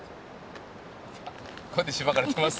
こうやってしばかれてます。